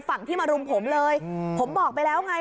ฝั่งที่มารุมผมเลยผมบอกไปแล้วไง